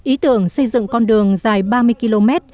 ý tưởng xây dựng con đường dài ba mươi km